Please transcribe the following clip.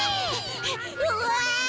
うわ！